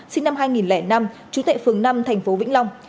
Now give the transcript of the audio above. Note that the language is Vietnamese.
sinh năm hai nghìn năm chú tệ phường năm thành phố vĩnh long